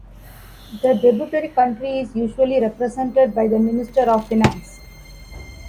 The debtor country is usually represented by the Minister of Finance.